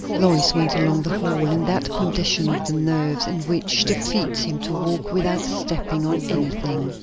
Lois went along the hall in that condition of the nerves in which the feet seem to walk without stepping on anything.